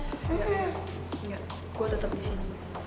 nggak gue tetep disini